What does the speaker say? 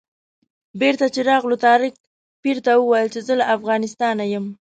بېرته چې راغلو طارق پیر ته وویل چې زه له افغانستانه یم.